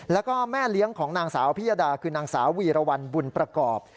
แล้วก็แม่เลี้ยงของนางสาวพิยดาคือนางสาววีรวรรณบุญประกอบ